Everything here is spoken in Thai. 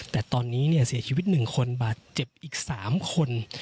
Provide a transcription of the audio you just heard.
แต่ตอนนี้เนี่ยเสียชีวิตหนึ่งคนบาดเจ็บอีกสามคน